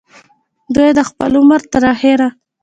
دوي د خپل عمر تر اخره